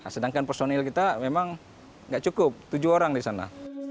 sedangkan personil kita memang tidak cukup tujuh orang di sana